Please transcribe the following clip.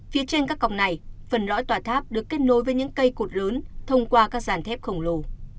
phía trên các cọc này phần lõi tòa tháp được kết nối với những cây cột lớn thông qua các dàn thép khổng lồ